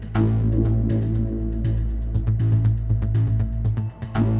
สวัสดีทุกคน